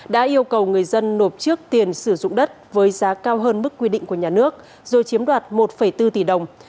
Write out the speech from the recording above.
đã yêu cầu người dân nộp trước tiền sử dụng đất với giá cao hơn mức quy định của nhà nước rồi chiếm đoạt một bốn tỷ đồng